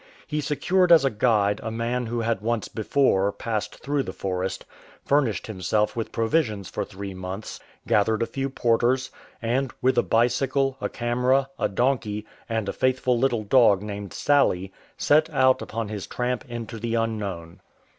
He secured as a' guide a man who had once before passed through the forest ; furnished himself with provisions for three months ; gathered a few porters ; and with a bicycle, a camera, a donkey, and a faithful little dog named Sally, set out upon his tramp into the unknown.